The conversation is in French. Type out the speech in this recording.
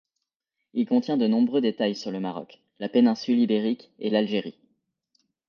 Il contient de nombreux détails sur le Maroc, la péninsule Ibérique et l'Algérie.